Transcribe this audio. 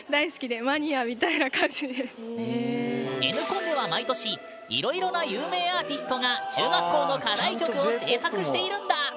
「Ｎコン」では毎年いろいろな有名アーティストが中学校の課題曲を制作しているんだ！